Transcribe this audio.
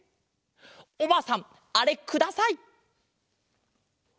おばあさんあれください！